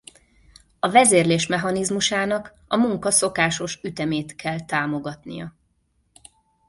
A vezérlés mechanizmusának a munka szokásos ütemét kell támogatnia.